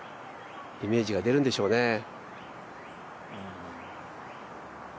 イメージが出るんでしょうね。